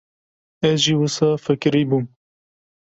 - Ez jî wisa fikirîbûm.